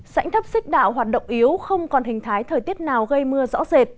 sảnh thấp xích đạo hoạt động yếu không còn hình thái thời tiết nào gây mưa rõ rệt